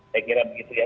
saya kira begitu ya